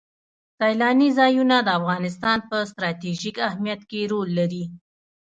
سیلانی ځایونه د افغانستان په ستراتیژیک اهمیت کې رول لري.